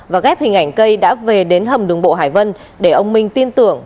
và ghép hình ảnh cây đã về đến hầm đường bộ hải vân để ông minh tin tưởng